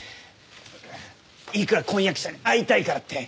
いくら婚約者に会いたいからって。